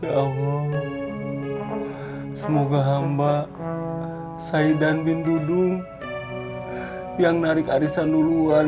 ya allah semoga hamba saidan bin dudung yang narik arisan duluan